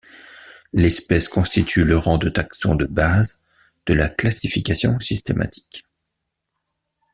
L'espèce constitue le rang de taxon de base de la classification systématique.